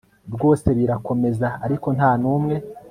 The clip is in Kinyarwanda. rwose birakomeza ariko ntanumwe